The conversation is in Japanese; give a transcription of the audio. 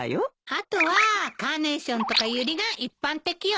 あとはカーネーションとかユリが一般的よね。